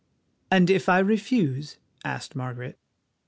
"And if I refuse?" asked Margaret.